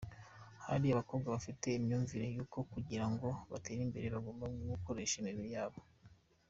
Hari abakobwa bafite imyumvire y’uko kugira ngo batere imbere bagomba gukoresha imibiri yabo.